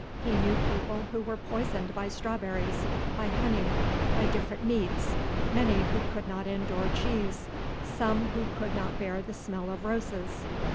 He knew people who were poisoned by strawberries, by honey, by different meats, many who could not endure cheese, some who could not bear the smell of roses.